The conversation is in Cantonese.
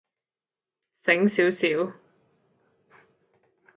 醒小小